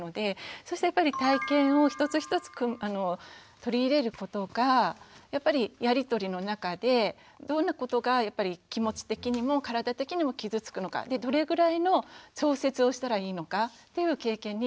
そうすると体験を一つ一つ取り入れることがやっぱりやり取りの中でどんなことが気持ち的にも体的にも傷つくのかどれぐらいの調節をしたらいいのかっていう経験になっていくと思います。